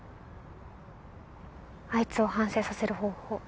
あいつを反省させる方法